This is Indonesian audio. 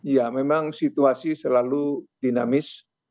ya memang situasi selalu dinamis